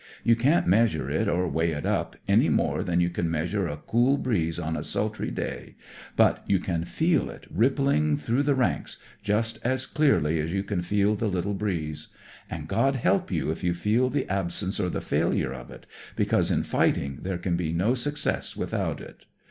You can't measure it or weigh it up, any more than you can measure a cool breeze on a sultry day, but you can feel it rippling through the d2 40 THE MORAL OF THE BOCHE ranks, just as clearly as you can feel the little breeze. And God help you if you feel the absence or the failure of it, because in fighting there can be no success without it.